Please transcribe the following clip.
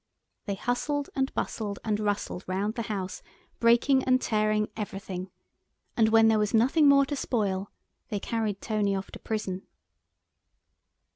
They hustled and bustled and rustled round the house, breaking and tearing everything, and when there was nothing more to spoil they carried Tony off to prison.